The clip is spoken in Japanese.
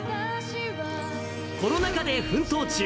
コロナ禍で奮闘中！